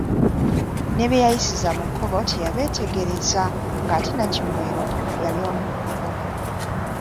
Ne beyayisiza mu kkubo teyabeetegereza ng’ate Nnakimwero yali omu ku bo.